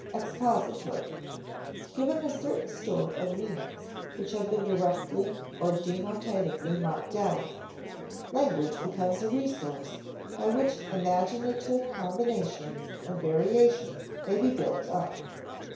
Expository. Given a certain store of meanings which have been directly or denotatively marked out, language becomes a resource by which imaginative combinations and variations may be built up.